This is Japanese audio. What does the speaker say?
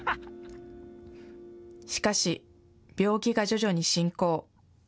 しかし、病気が徐々に進行。